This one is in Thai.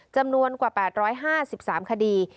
จำนวนกว่า๘๕๓คดี